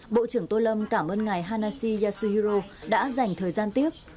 bộ trưởng tô lâm cảm ơn ngài hanashi yasuhiro đã dành thời gian tiếp